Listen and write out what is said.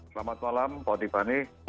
selamat malam pak tiffany